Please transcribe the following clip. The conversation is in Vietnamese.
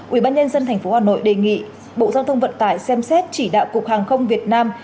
ủy ban nhân dân tp hà nội đề nghị bộ giao thông vận tải xem xét chỉ đạo cục hàng không việt nam